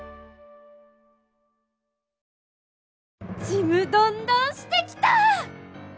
ちむどんどんしてきた！